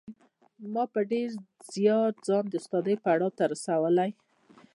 ما په ډېر زیار ځان د استادۍ پړاو ته رسولی